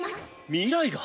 未来が⁉